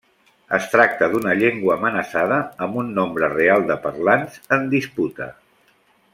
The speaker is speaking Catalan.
Es tracta d'una llengua amenaçada amb un nombre real de parlants en disputa.